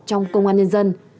trong công an nhân dân